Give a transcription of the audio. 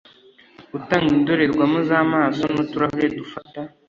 utanga indorerwamo z amaso n uturahuri dufata